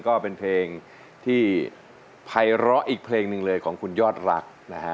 ก็เป็นเพลงที่ภัยร้ออีกเพลงหนึ่งเลยของคุณยอดรักนะฮะ